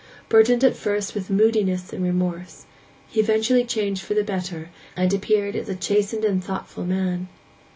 Burdened at first with moodiness and remorse, he eventually changed for the better, and appeared as a chastened and thoughtful man.